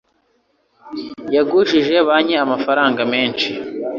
Yagujije banki amafaranga menshi.